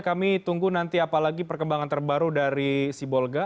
kami tunggu nanti apalagi perkembangan terbaru dari si bolga